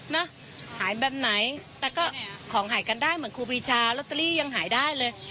หายแบบไหนแต่ก็ของหายกันได้เหมือนครูปีชาลอตเตอรี่ยังหายได้เลย